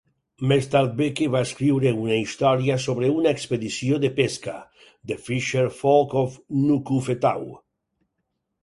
Més tard Becke va escriure una historia sobre una expedició de pesca: "The Fisher Folk Of Nukufetau".